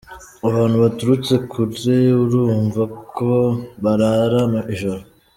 Abantu baturutse kure urumva ko barara ijoro.